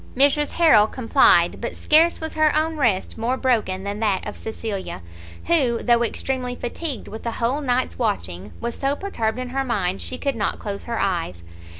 Mrs Harrel complied; but scarce was her own rest more broken than that of Cecilia, who, though extremely fatigued with a whole night's watching, was so perturbed in her mind she could not close her eyes.